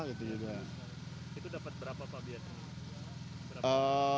itu dapat berapa pak biasanya